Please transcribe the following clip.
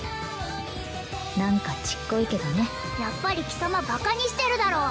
何かちっこいけどねやっぱり貴様バカにしてるだろう！